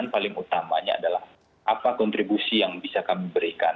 paling utamanya adalah apa kontribusi yang bisa kami berikan